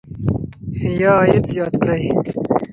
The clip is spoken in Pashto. یا عاید زیات کړئ.